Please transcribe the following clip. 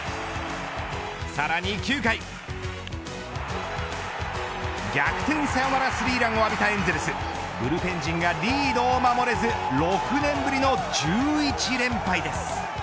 さらに９回逆転サヨナラスリーランを浴びたエンゼルスブルペン陣がリードを守れず６年ぶりの１１連敗です。